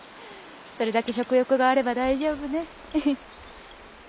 それだけ食欲があれば大丈夫ね。